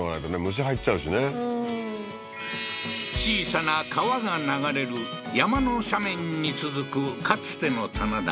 虫入っちゃうしね小さな川が流れる山の斜面に続くかつての棚田